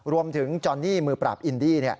รวมถึงจอนี่มือปราบอินดี